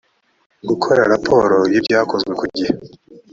gukora raporo y‘ibyakozwe ku gihe